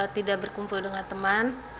tidak berkumpul dengan teman